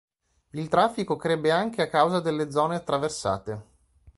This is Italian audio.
Il traffico crebbe anche a causa delle zone attraversate.